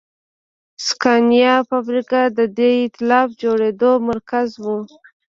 د سکانیا فابریکه د دې اېتلاف د جوړېدو مرکز و.